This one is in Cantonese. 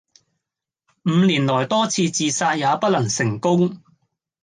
五年來多次自殺也不能成功